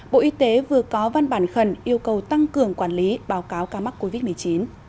bộ y tế vừa có văn bản khẩn yêu cầu tăng cường quản lý báo cáo ca mắc covid một mươi chín